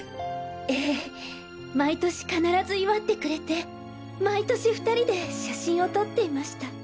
ええ毎年必ず祝ってくれて毎年２人で写真を撮っていました。